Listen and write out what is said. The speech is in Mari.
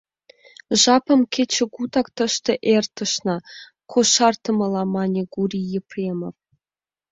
— Жапым кечыгутак тыште эртарышна, — кошартымыла мане Гурий Епремов.